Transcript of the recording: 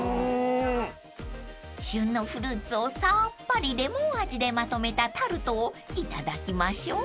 ［旬のフルーツをさっぱりレモン味でまとめたタルトをいただきましょう］